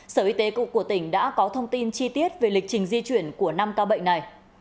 sở y tế của tỉnh đã có thông tin chi tiết về lịch trình di chuyển của năm ca bệnh này